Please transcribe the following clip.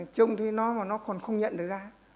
trông thế nó mà nó còn không nhận được ra